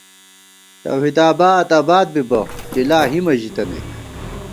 توحید آباد آباد بِبہ ، چِلا ہیمہ ژی تَنَئیک